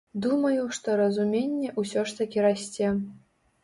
Думаю, што разуменне ўсё ж такі расце.